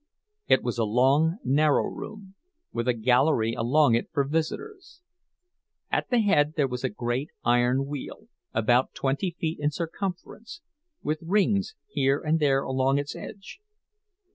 It was a long, narrow room, with a gallery along it for visitors. At the head there was a great iron wheel, about twenty feet in circumference, with rings here and there along its edge.